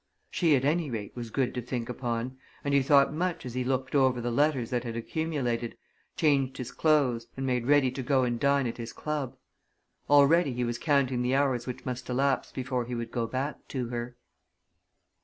She, at any rate, was good to think upon, and he thought much as he looked over the letters that had accumulated, changed his clothes, and made ready to go and dine at his club, Already he was counting the hours which must elapse before he would go back to her.